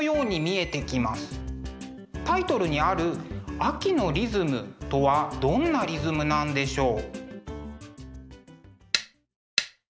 タイトルにある「秋のリズム」とはどんなリズムなんでしょう？